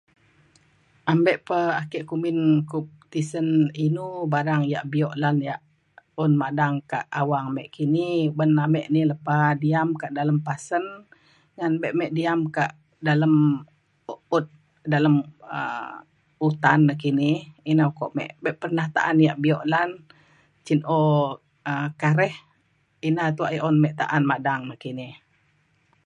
abe pe ake kumbin tisen inu barang yak bio lan yak un madang kak awang me kini ban ame ni lepa diam kak dalem pasen ngan be me diam kak dalem ut- dalem utan nakini ina ukok be be pernah ta’an yak bio lan cin o um kareh ina tuak yak me un ta’an madang nakini